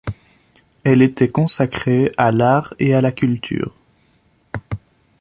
Elle était consacrée à l'art et à la culture.